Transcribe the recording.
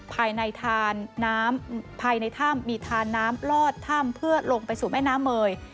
ภายในถ้ำมีธานน้ำลอดถ้ำเพื่อลงไปสู่แม่น้ำเมย